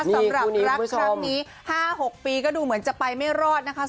สำหรับรักครั้งนี้๕๖ปีก็ดูเหมือนจะไปไม่รอดนะคะ